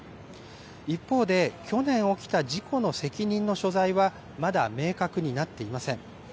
一方で、去年起きた事故の責任の所在は、まだ明確になっていません。